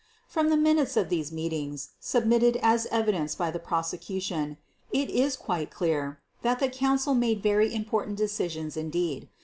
From the minutes of these meetings, submitted as evidence by the Prosecution, it is quite clear that the Council made very important decisions indeed.